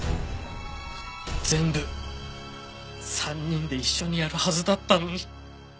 全部３人で一緒にやるはずだったのに。